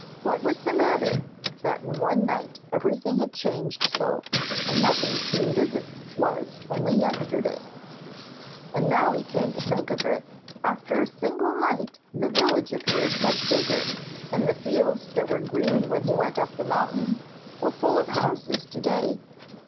What was the matter that in one night everything had changed so, and nothing seemed as it was only yesterday? And now he came to think of it, after a single night the village appeared much bigger, and the fields that were green when he went up the mountain, were full of houses to day.